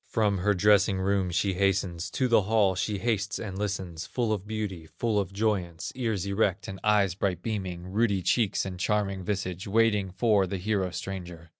From her dressing room she hastens, To the hall she hastes and listens, Full of beauty, full of joyance, Ears erect and eyes bright beaming, Ruddy cheeks and charming visage, Waiting for the hero stranger.